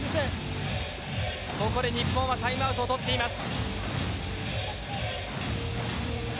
ここで日本はタイムアウトを取っています。